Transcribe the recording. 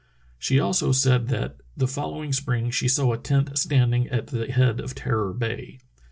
She also said that "the following spring she saw a tent standing at the head of Terror Bay.